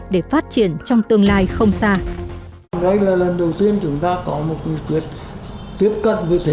để phát triển trong tương lai không xa